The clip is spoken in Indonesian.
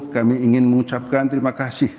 kami ingin mengucapkan terima kasih